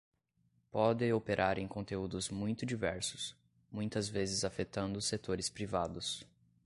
Pode operar em conteúdos muito diversos, muitas vezes afetando setores privados.